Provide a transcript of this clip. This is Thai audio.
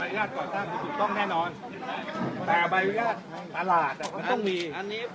ใบญาติก่อทางถูกต้องแน่นอนแต่ใบญาติตลาดมันต้องมี